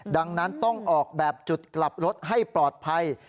ดังนั้นต้องออกแบบจุดกลับรถให้ปลอดภัย